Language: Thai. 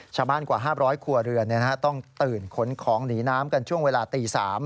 กว่า๕๐๐ครัวเรือนต้องตื่นขนของหนีน้ำกันช่วงเวลาตี๓